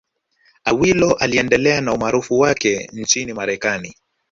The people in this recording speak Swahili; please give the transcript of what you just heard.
Awilo aliendelea na umaarufu wake nchini Marekani